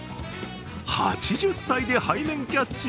８０歳で背面キャッチ。